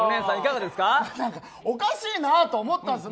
おかしいなと思ったんですよ。